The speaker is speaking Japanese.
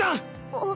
あっ。